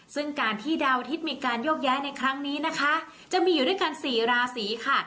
ซึ่งการที่ดาวอาทิตย์มีการโยกย้ายในครั้งนี้นะคะจะมีอยู่ด้วยกัน๔ราศีค่ะ